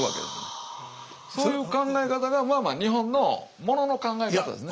そういう考え方が日本のものの考え方ですね。